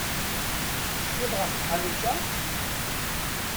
Tecfiḍ ɣef tḥanut-a?